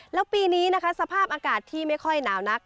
แล้วปีนี้นะคะสภาพอากาศที่ไม่ค่อยหนาวนัก